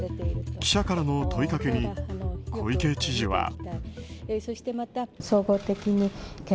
記者からの問いかけに小池知事は。